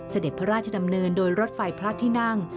เสด็จพระราชดำเนินโดยรถไฟพระที่นั่ง